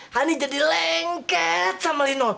honey jadi lengket sama lino